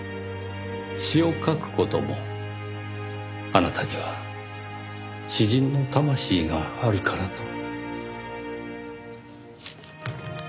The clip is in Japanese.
詩を書く事もあなたには詩人の魂があるからと。